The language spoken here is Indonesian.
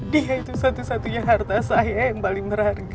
dia itu satu satunya harta saya yang paling meraja